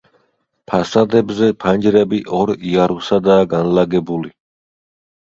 ფასადებზე ფანჯრები ორ იარუსადაა განლაგებული.